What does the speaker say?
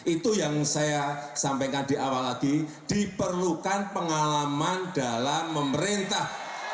itu yang saya sampaikan di awal lagi diperlukan pengalaman dalam memerintah